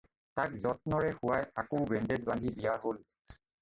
তাক যত্নৰে শুৱাই, আকৌ বেণ্ডেজ বান্ধি দিয়া হ'ল।